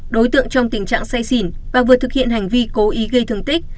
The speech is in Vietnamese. đối tượng trong tình trạng say xỉn và vừa thực hiện hành vi cố ý gây thương tích